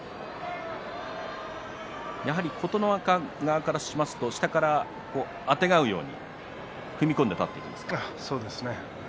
やはり琴ノ若側からすると下からあてがうように踏み込んで立っていますかね。